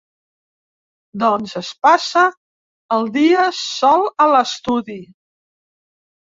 Doncs es passa el dia sol a l'estudi.